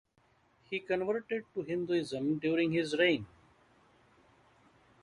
He converted to Hinduism during his reign.